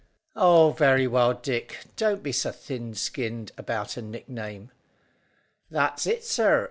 "Oh, very well, Dick. Don't be so thin skinned about a nickname." "That's it, sir.